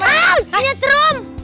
aduh punya trom